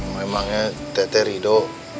memangnya teh teh ridho